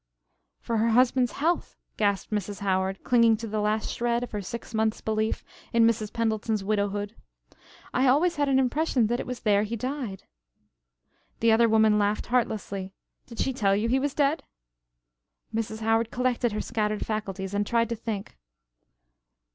"For her husband's health," gasped Mrs. Howard, clinging to the last shred of her six months' belief in Mrs. Pendleton's widowhood. "I always had an impression that it was there he died." The other woman laughed heartlessly. "Did she tell you he was dead?" Mrs. Howard collected her scattered faculties and tried to think.